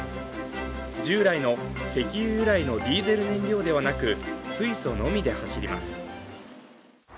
従来の石油由来のディーゼル燃料ではなく、水素のみで走ります。